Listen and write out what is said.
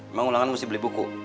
emang ulangan mesti beli buku